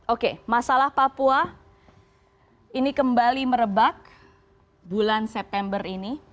oke masalah papua ini kembali merebak bulan september ini